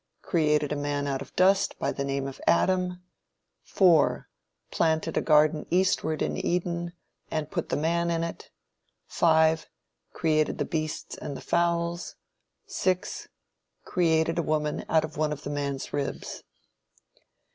Created a man out of dust, by the name of Adam. 4. Planted a garden eastward in Eden, and put the man in it. 5. Created the beasts and fowls. 6. Created a woman out of one of the man's ribs.